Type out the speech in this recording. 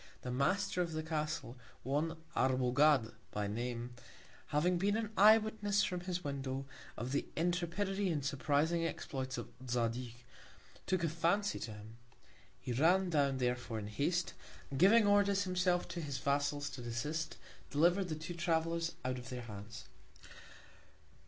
The Master of the Castle, one Arbogad by Name, having been an Eye Witness from his Window, of the Intrepidity and surprising Exploits of Zadig, took a Fancy to him. He ran down therefore in Haste, and giving Orders himself to his Vassals to desist, deliver'd the two Travellers out of their Hands.